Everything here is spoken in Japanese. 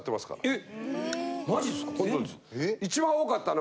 ・えっ？